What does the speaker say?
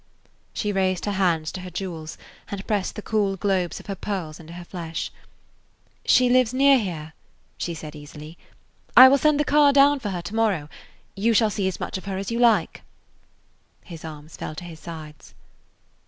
She raised her hands to her jewels, and pressed the cool globes of her pearls into her flesh. "She lives near here," she said easily. "I will send the car down for her to morrow. You shall see as much of her as you like." His arms fell to his sides.